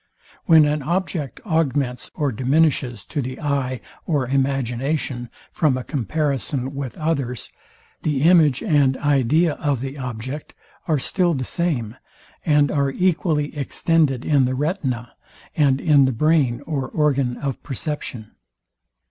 When an object augments or diminishes to the eye or imagination from a comparison with others, the image and idea of the object are still the same, and are equally extended in the retina, and in the brain or organ of perception.